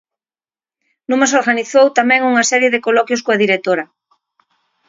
Numax organizou tamén unha serie de coloquios coa directora.